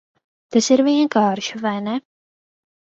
Tas ir vienkārši, vai ne?